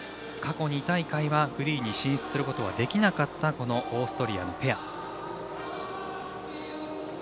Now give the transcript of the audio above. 過去２大会は、フリーに進出することはできなかったこのオーストリアのペア。